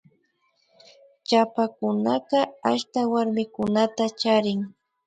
Chapakunaka ashta warmikunata charin